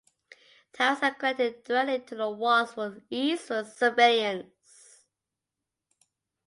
Towers are connected directly to the walls for ease of surveillance.